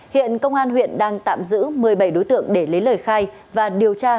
hiện công an huyện đang tạm giữ một mươi bảy đối tượng để lấy lời khai và điều tra